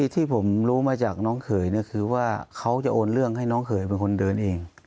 ที่ผมรู้มาจากน้องเขยคือว่าเขาจะโอนเรื่องให้น้องเขยเป็นคนเดินเอง